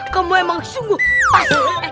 kamu emang sungguh pas